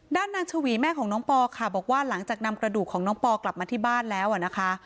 นางชวีแม่ของน้องปอค่ะบอกว่าหลังจากนำกระดูกของน้องปอกลับมาที่บ้านแล้วนะคะ